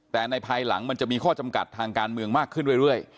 แต่ในภายหลังมันจะมีข้อจำกัดทางการเมืองมากขึ้นเรื่อย